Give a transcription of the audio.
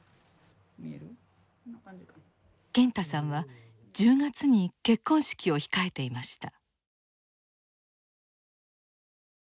健太さんは１０月に結婚式を控えていました。